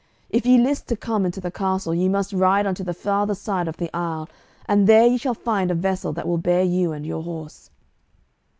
If ye list to come into the castle, ye must ride unto the farther side of the isle, and there ye shall find a vessel that will bear you and your horse."